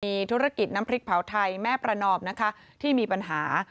มีธุรกิจน้ำพริกเผาไทยแม่ประนอมนะคะที่มีปัญหา